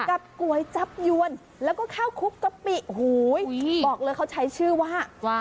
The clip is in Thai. ก๋วยจับยวนแล้วก็ข้าวคุกกะปิโอ้โหบอกเลยเขาใช้ชื่อว่า